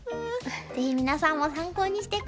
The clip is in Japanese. ぜひ皆さんも参考にして下さい。